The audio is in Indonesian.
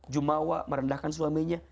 jumawa merendahkan suaminya